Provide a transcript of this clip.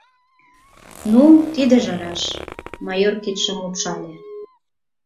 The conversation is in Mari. — Ну, тидыже раш, — майор кидшым лупшале.